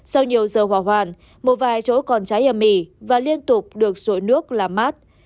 sau nhiều giờ hỏa hoạn một vài chỗ còn cháy ấm ỉ và liên tục được sổ nước làm mát